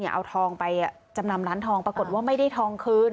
เอาทองไปจำนำร้านทองปรากฏว่าไม่ได้ทองคืน